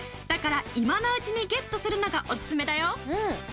だから今のうちにゲットするのがおすすめだよ！